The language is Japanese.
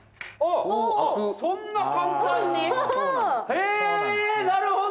へえなるほど！